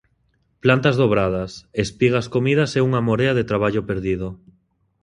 Plantas dobradas, espigas comidas e unha morea de traballo perdido.